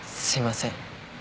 すいません。